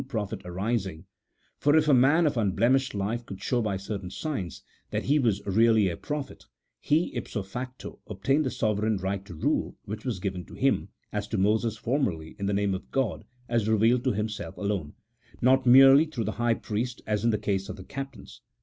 XVII, prophet arising, for if a man of unblemished life could show by certain signs that he was really a prophet, he ipso facto obtained the sovereign right to rule, which was given to him, as to Moses formerly, in the name of God, as revealed to himself alone ; not merely through the high priest, as in the case of the captains.